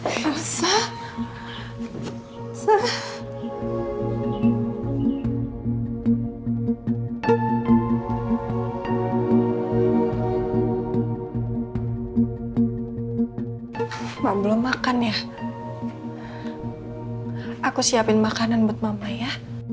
aku siapin makanan buat mama ya